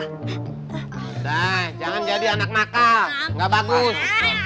udah jangan jadi anak makal gak bagus